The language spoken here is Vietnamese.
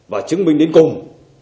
và chứng minh đến cùng